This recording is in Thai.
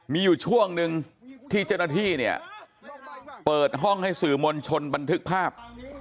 มีอยู่ช่วงหนึ่งที่เจ้าหน้าที่เนี่ยเปิดห้องให้สื่อมวลชนบันทึกภาพ